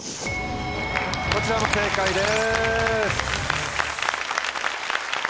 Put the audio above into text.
こちらも正解です。